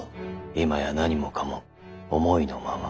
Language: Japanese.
今や何もかも思いのまま。